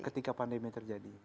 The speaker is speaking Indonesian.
ketika pandemi ini terjadi